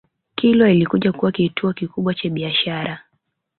Kilwa ilikuja kuwa kituo kikubwa cha biashara